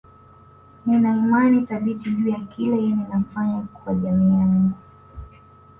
Nina imani thabiti juu ya kile ninafanya kwa jamii yangu